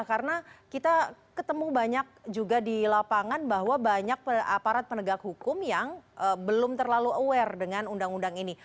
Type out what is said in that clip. karena kita ketemu banyak juga di lapangan bahwa banyak aparat penegak hukum yang belum terlalu aware dengan undang undang ini